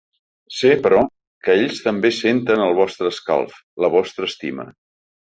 Sé, però, que ells també senten el vostre escalf, la vostra estima.